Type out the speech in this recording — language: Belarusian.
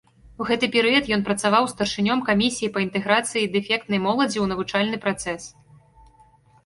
У гэты перыяд ён працаваў старшынём камісіі па інтэграцыі дэфектнай моладзі ў навучальны працэс.